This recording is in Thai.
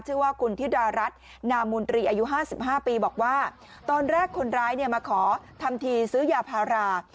ชื่อว่าคุณธิดารัฐนามูลตรีอายุ๕๕ปีบอกว่าตอนแรกคนร้ายเนี่ยมาขอทำทีซื้อยาพารา